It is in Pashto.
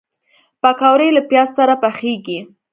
پکورې له پیاز سره پخېږي